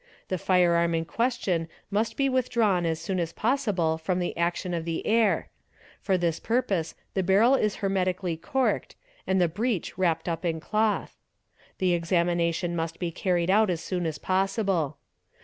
The firearm in question must be withdrawn as soon as possible from the action of the air; for this purpose the barrel is 4g hermetically corked and the breach wrapped up in cloth. The examination oe be carried out as soon as possible.